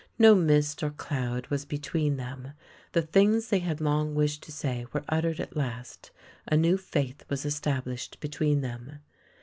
No mist or cloud was between them. The things they had long wished to say were uttered at last. A new faith was established between them.